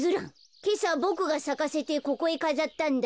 けさボクがさかせてここへかざったんだ。